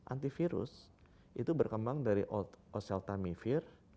antivirus itu berkembang dari oceltamivir